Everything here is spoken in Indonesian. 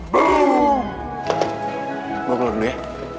gue keluar dulu ya